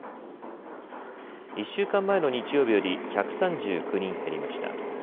１週間前の日曜日より１３９人減りました。